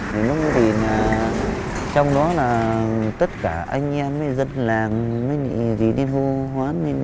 thì lúc ấy thì trong đó là tất cả anh em dân làng mấy gì gì nên hô hóa lên